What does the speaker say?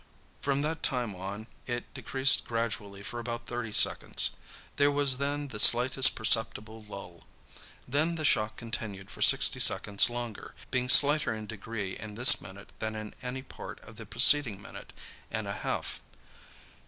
From that time on it decreased gradually for about thirty seconds. There was then the slightest perceptible lull. Then the shock continued for sixty seconds longer, being slighter in degree in this minute than in any part of the preceding minute and a half.